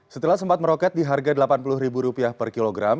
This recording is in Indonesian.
setelah sempat meroket di harga rp delapan puluh per kilogram